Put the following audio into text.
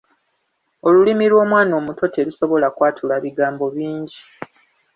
Olulimi lw'omwana omuto terusobola kwatula bigambo bingi.